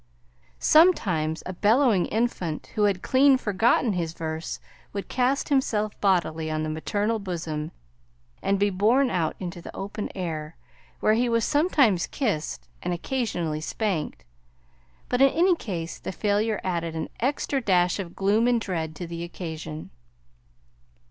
Sometimes a bellowing infant who had clean forgotten his verse would cast himself bodily on the maternal bosom and be borne out into the open air, where he was sometimes kissed and occasionally spanked; but in any case the failure added an extra dash of gloom and dread to the occasion.